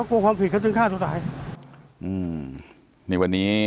ไบลรวดว่าตู้เย็นเจายังไง